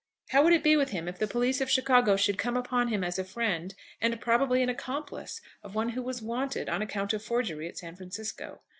How would it be with him if the police of Chicago should come upon him as a friend, and probably an accomplice, of one who was "wanted" on account of forgery at San Francisco?